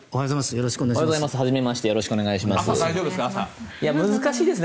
よろしくお願いします。